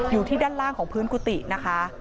อยู่ที่ด้านล่างของพื้นกุฏินะคะ